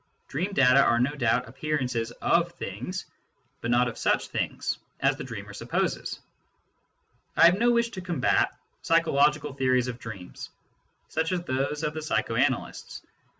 Dream data are no doubt appearances of " things," but not of such " things " as the dreamer supposes. I have no wish to combat psychological theories of dreams, such as those of the psycho analysts.